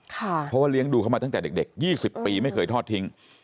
เพราะว่าเลี้ยงดูเขามาตั้งแต่เด็ก๒๐ปีไม่เคยทอดทิ้ง